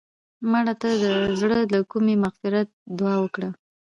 مړه ته د زړه له کومې د مغفرت دعا وکړه